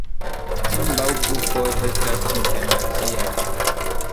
Ambaŭ grupoj estas internaciaj.